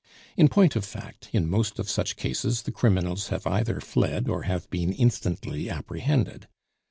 In point of fact, in most of such cases the criminals have either fled, or have been instantly apprehended.